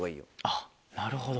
あっなるほど。